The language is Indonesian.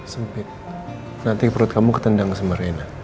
sempit nanti perut kamu ketendang semerena